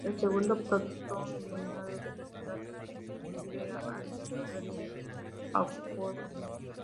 El segundo protón eliminado del sustrato se libera al disolvente acuoso.